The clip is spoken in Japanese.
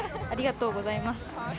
ありがとうございます。